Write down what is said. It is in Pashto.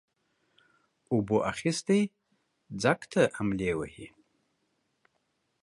اوبو اخيستى ځگ ته املې وهي.